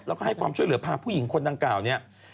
แล้วก็ให้ความช่วยเหลือพาผู้หญิงคนดังกล่าวเนี่ย